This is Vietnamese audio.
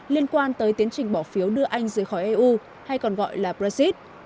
liên quan tới tiến trình bỏ phiếu đưa anh rời khỏi eu hay còn gọi là brexit